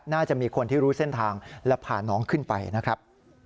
น่าจะมีคนที่รู้เส้นทางและพาน้องขึ้นไปนะครับ